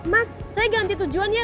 mas saya ganti tujuannya